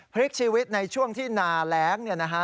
พลิกชีวิตในช่วงที่นาแร้ง